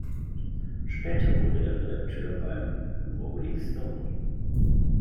Später wurde er Redakteur beim "Rolling Stone".